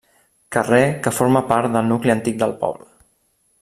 Carrer que forma part del nucli antic del poble.